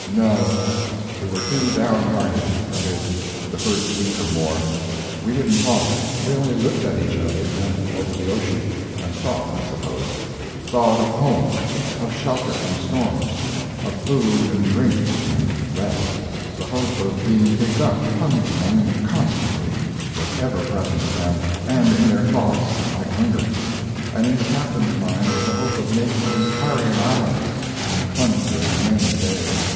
"No; we were too down hearted—that is, the first week or more. We didn't talk—we only looked at each other and over the ocean." And thought, I suppose. Thought of home—of shelter from storms—of food and drink, and rest. The hope of being picked up hung to them constantly—was ever present to them, and in their thoughts, like hunger. And in the Captain's mind was the hope of making the Clarion Islands, and he clung to it many a day.